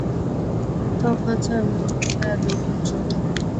稻槎菜为菊科稻搓菜属的植物。